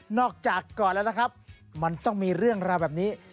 จากก่อนแล้วนะครับมันต้องมีเรื่องราวแบบนี้